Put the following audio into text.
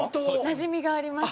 なじみがあります。